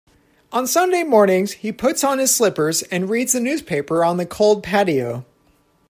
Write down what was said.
On Sunday mornings, he puts on his slippers and reads the newspaper on the cold patio.